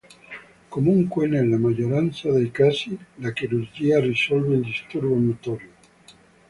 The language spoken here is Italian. Comunque nella maggioranza dei casi la chirurgia risolve il disturbo motorio.